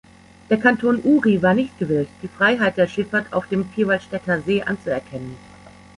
Der Kanton Uri war nicht gewillt, die Freiheit der Schifffahrt auf dem Vierwaldstättersee anzuerkennen.